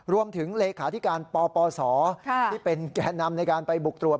รวมถึงเลขาธิการปปศที่เป็นแก่นำในการไปบุกตรวจ